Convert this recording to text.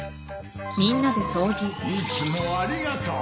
いつもありがとう。